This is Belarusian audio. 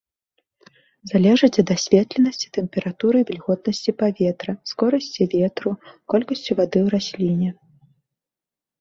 Залежыць ад асветленасці, тэмпературы і вільготнасці паветра, скорасці ветру, колькасці вады ў расліне.